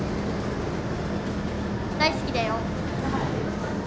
大好きだよ。